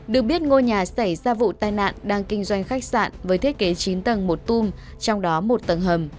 được biết ngôi nhà xảy ra vụ tai nạn đang kinh doanh khách sạn với thiết kế chín tầng một tung trong đó một tầng hầm